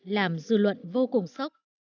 làm dư luận vô cùng sốc